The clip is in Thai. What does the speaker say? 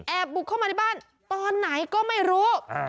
บุกเข้ามาในบ้านตอนไหนก็ไม่รู้